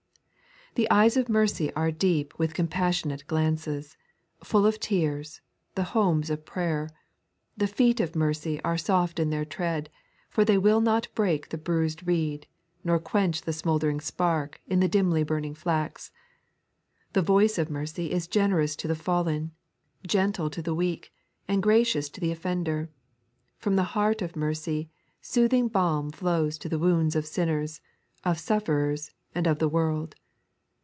The eyes of mercy are deep with compassionate glances, full of tears, the homes of prayer ; the feet of mercy are soft in their tread, for they will not break the bruised reed, nor quench the smouldering spark in the dimly burning flax ; the voice of mercy is generous to the fallen, gentle to the weak, and gracious to the offender; from the heart of mercy, soothing balm flows to the wounds of sinners, of sufferers, and of the world.